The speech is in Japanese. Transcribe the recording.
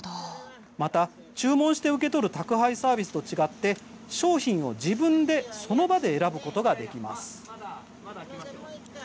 また注文して受け取る宅配サービスと違って商品を自分で選ぶことができます。